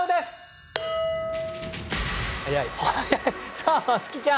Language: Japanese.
さあまつきちゃん。